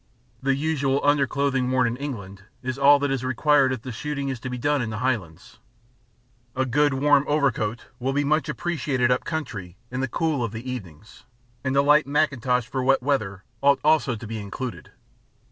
The usual underclothing worn in England is all that is required if the shooting is to be done in the highlands. A good warm overcoat will be much appreciated up country in the cool of the evenings, and a light mackintosh for wet weather ought also to be included.